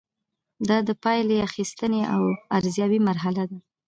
دا د پایلې اخیستنې او ارزیابۍ مرحله ده.